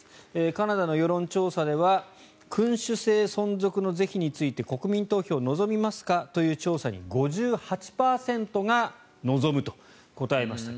カナダの世論調査では君主制存続の是非について国民投票を望みますかという調査に５８％が望むと答えました。